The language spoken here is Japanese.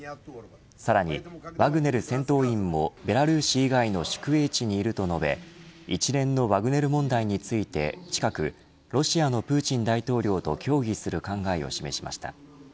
さらにワグネル戦闘員もベラルーシ以外の宿営地にいると述べ一連のワグネル問題について近くロシアのプーチン大統領と協議する考えを示しました。